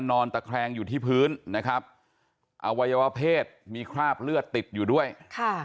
นอนตะแครงอยู่ที่พื้นนะครับอวัยวะเพศมีคราบเลือดติดอยู่ด้วยค่ะ